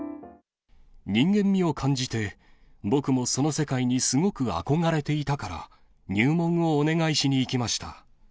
人間味を感じて、僕もその世界にすごく憧れていたから、入門をお願いしに行きました。